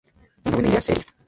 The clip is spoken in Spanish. Una buena idea sería